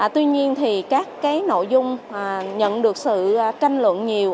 tuy nhiên thì các cái nội dung nhận được sự tranh luận nhiều